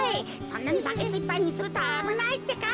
そんなにバケツいっぱいするとあぶないってか。